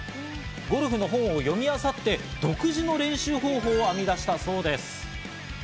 ゴルフの本を読みあさって独自の練習方法を編み出したそうです。